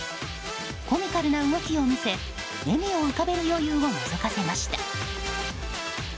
コミカルな動きを見せ笑みを浮かべる余裕をのぞかせました。